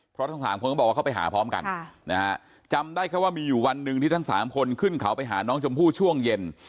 เพราะทั้งสามคนก็บอกว่าเขาไปหาพร้อมกันจำได้แค่ว่ามีอยู่วันหนึ่งที่ทั้งสามคนขึ้นเขาไปหาน้องชมพู่ช่วงเย็น